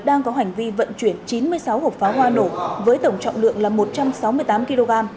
đang có hành vi vận chuyển chín mươi sáu hộp pháo hoa nổ với tổng trọng lượng là một trăm sáu mươi tám kg